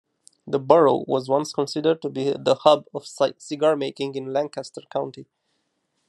The borough was once considered to be the hub of cigar-making in Lancaster County.